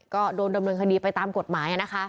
ก็โดนดำเนินคณีย์ไปตามกฎหมาย